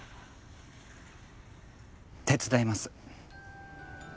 手伝います。